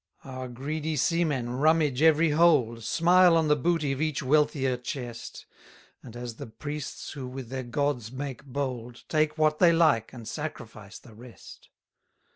208 Our greedy seamen rummage every hold, Smile on the booty of each wealthier chest; And, as the priests who with their gods make bold, Take what they like, and sacrifice the rest.